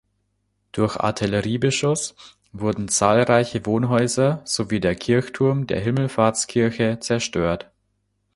Durch Artilleriebeschuss wurden zahlreiche Wohnhäuser sowie der Kirchturm der Himmelfahrtskirche zerstört.